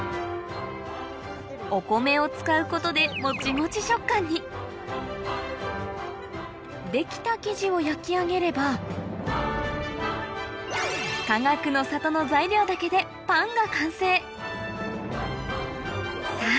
お米を使うことでモチモチ食感に出来た生地を焼き上げればかがくの里の材料だけでさぁ